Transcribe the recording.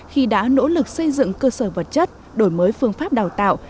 khi đã nỗ lực xây dựng cơ sở vật chất đổi mới phương pháp đào tạo